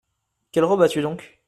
Quelle robe as-tu donc ?